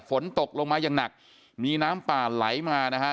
ฝนตกลงมาอย่างหนักมีน้ำป่าไหลมานะฮะ